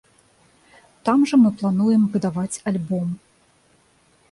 Там жа мы плануем выдаваць альбом.